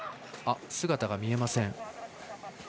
姿が見えません。